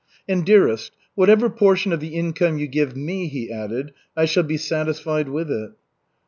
"And, dearest, whatever portion of the income you give me," he added, "I shall be satisfied with it."